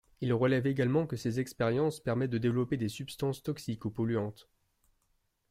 Il relève également que ces expériences permettent de développer des substances toxiques ou polluantes.